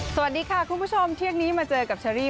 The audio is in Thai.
สวัสดีค่ะคุณผู้ชมเที่ยงนี้มาเจอกับเชอรี่